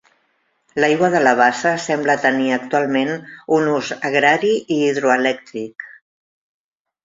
L'aigua de la bassa sembla tenir actualment un ús agrari i hidroelèctric.